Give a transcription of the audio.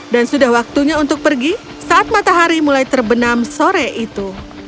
dan sudah waktunya untuk pergi saat matahari mulai terbenam sore itu